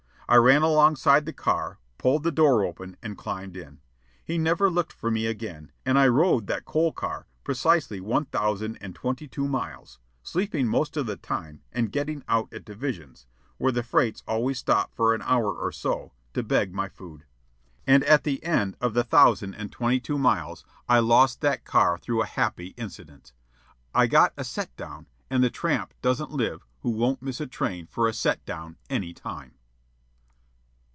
I ran alongside the car, pulled the door open, and climbed in. He never looked for me again, and I rode that coal car precisely one thousand and twenty two miles, sleeping most of the time and getting out at divisions (where the freights always stop for an hour or so) to beg my food. And at the end of the thousand and twenty two miles I lost that car through a happy incident. I got a "set down," and the tramp doesn't live who won't miss a train for a set down any time.